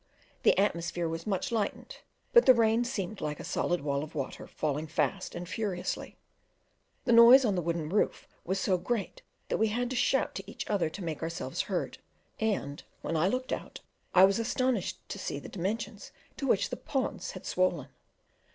The atmosphere was much lightened, but the rain seemed like a solid wall of water falling fast and furiously; the noise on the wooden roof was so great that we had to shout to each other to make ourselves heard; and when I looked out I was astonished to see the dimensions to which the ponds had. swollen.